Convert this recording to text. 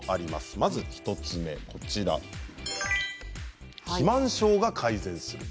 まず１つ目、肥満症が改善する。